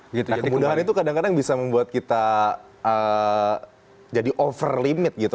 nah kemudahan itu kadang kadang bisa membuat kita jadi over limit gitu